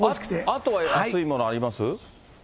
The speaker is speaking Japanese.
あとは安いものあります？